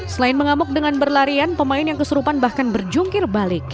selain mengamuk dengan berlarian pemain yang kesurupan bahkan berjungkir balik